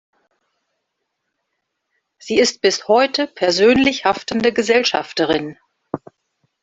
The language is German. Sie ist bis heute persönlich haftende Gesellschafterin.